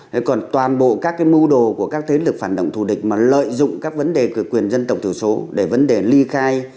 thế còn toàn bộ các cái mưu đồ của các thế lực phản động thù địch mà lợi dụng các vấn đề quyền dân tộc thiểu số để vấn đề ly khai